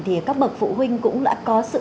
thì các bậc phụ huynh cũng đã có sự